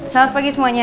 selamat pagi semuanya